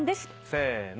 せの。